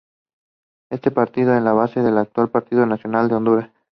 Este partido es la base del actual Partido Nacional de Honduras.